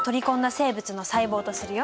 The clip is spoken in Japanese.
生物の細胞とするよ。